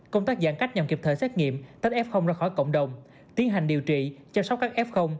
công tác giãn cách nhằm kịp thời xét nghiệm tách f ra khỏi cộng đồng tiến hành điều trị chăm sóc các f